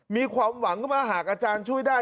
มีความหวังขึ้นมาหากอาจารย์ช่วยได้